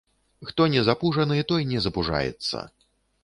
Хто не запужаны, той не запужаецца.